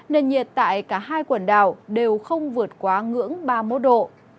nền nhiệt tại cả hai quần đảo đều không vượt quá ngưỡng ba mươi một độ